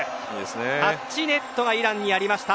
タッチネットがイランにありました。